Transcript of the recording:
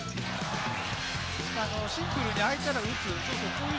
シンプルに空いたら打つ。